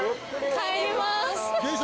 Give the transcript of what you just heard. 帰ります。